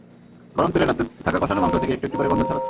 গরম তেলে নাড়তে থাকা কষানো মাংস থেকে একটু একটু করে গন্ধ ছড়াচ্ছে।